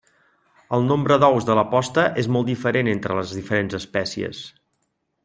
El nombre d'ous de la posta és molt diferent entre les diferents espècies.